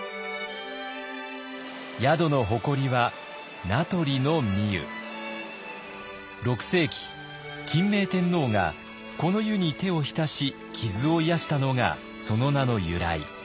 宿の誇りは６世紀欽明天皇がこの湯に手を浸し傷を癒やしたのがその名の由来。